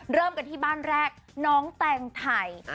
เริ่มกันที่บ้านแรกน้องแตงไทย